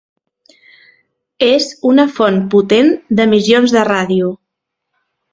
És una font potent d'emissions de ràdio.